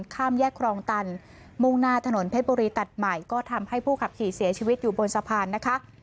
ข้ามแยกครองตันมุ่งหน้าถนนเพชรบุรีตัดใหม่ก็ทำให้ผู้ขับขี่เสียชีวิตอยู่บนสะพานนะคะ